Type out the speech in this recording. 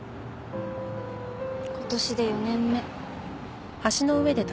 今年で４年目。